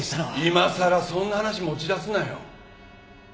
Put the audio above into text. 今さらそんな話持ち出すなよ。